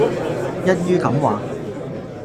一於噉話